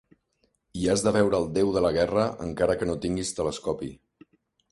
Hi has de veure el déu de la guerra encara que no tinguis telescopi.